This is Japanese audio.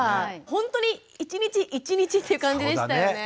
本当に１日１日っていう感じでしたよね。